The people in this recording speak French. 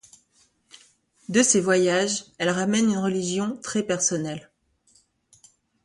De ses voyages, elle ramène une religion très personnelle...